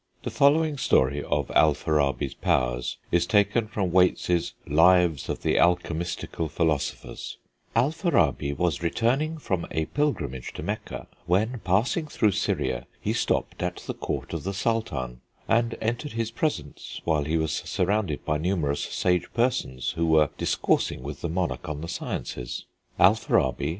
The following story of Alfarabi's powers is taken from Waite's Lives of the Alchemystical Philosophers: "Alfarabi was returning from a pilgrimage to Mecca, when, passing through Syria, he stopped at the Court of the Sultan, and entered his presence, while he was surrounded by numerous sage persons, who were discoursing with the monarch on the sciences. Alfarabi